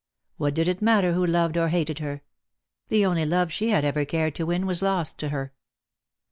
What did it matter who loved or hated her ? The only love she had ever cared to win was lost to her.